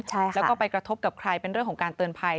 แล้วก็ไปกระทบกับใครเป็นเรื่องของการเตือนภัย